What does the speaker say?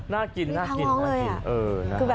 น่ากินน่ากินท้องร้องเลยอ่ะ